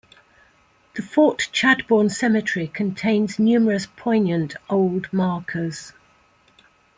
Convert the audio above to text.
The Fort Chadbourne Cemetery contains numerous poignant old markers.